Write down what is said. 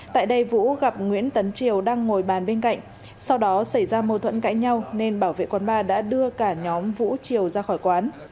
tại đây vũ gặp nguyễn tấn triều đang ngồi bàn bên cạnh sau đó xảy ra mâu thuẫn cãi nhau nên bảo vệ quán bar đã đưa cả nhóm vũ chiều ra khỏi quán